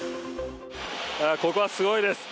ここはすごいです。